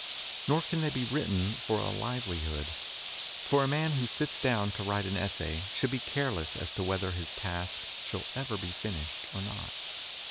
Nor can they be written for a liveli hood, for a man who sits down to write an essay should be careless as to whether his task shall ever be finished or not.